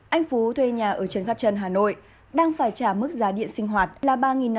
anh phú thuê nhà ở trấn phát trân hà nội đang phải trả mức giá điện sinh hoạt là ba năm trăm linh bốn